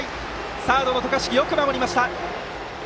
サードの渡嘉敷、よく守りました。